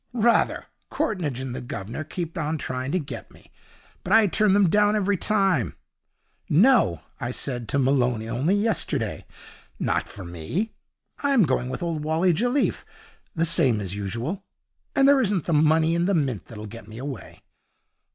'Rather! Courtneidge and the Guv'nor keep on trying to get me, but I turn them down every time. "No," I said to Malone only yesterday, "not for me! I'm going with old Wally Jelliffe, the same as usual, and there isn't the money in the Mint that'll get me away."